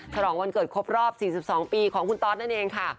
ฉลองวันเกิดครบรอบ๔๒ปีของคุณตอสนั่นเองค่ะ